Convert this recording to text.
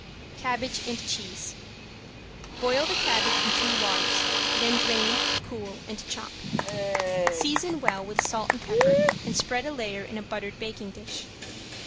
~CABBAGE AND CHEESE~ Boil the cabbage in two waters, then drain, cool and chop. Season well with salt and pepper and spread a layer in a buttered baking dish.